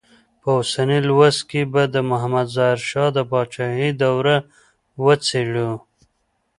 په اوسني لوست کې به د محمد ظاهر شاه د پاچاهۍ دوره وڅېړو.